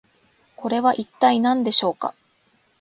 これは一体何でしょうか？